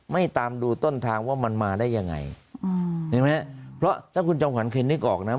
ไม่ตามดูต้นทางว่ามันมาได้ยังไงเพราะถ้าคุณจำขวัญเคยนึกออกนะ